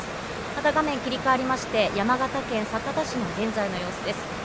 また画面切り替わりまして、山形県酒田市の現在の様子です。